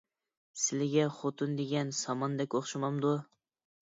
سىلىگە خوتۇن دېگەن ساماندەك ئوخشىمامدۇ؟